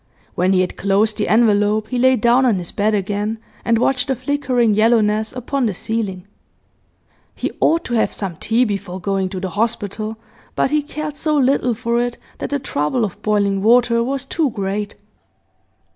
When he had closed the envelope he lay down on his bed again, and watched the flickering yellowness upon the ceiling. He ought to have some tea before going to the hospital, but he cared so little for it that the trouble of boiling water was too great.